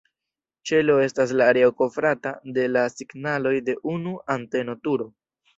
Ĉelo estas la areo kovrata de la signaloj de unu anteno-turo.